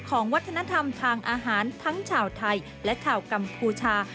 ของวัฒนธรรมทางอาหารทั้งชาวไทยและชาวกัมพูชา